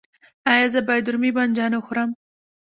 ایا زه باید رومی بانجان وخورم؟